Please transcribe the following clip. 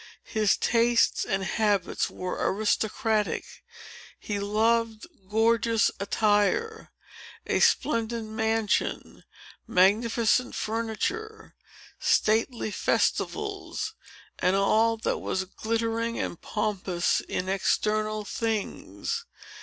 His tastes and habits were aristocratic. He loved gorgeous attire, a splendid mansion, magnificent furniture, stately festivals, and all that was glittering and pompous in external things.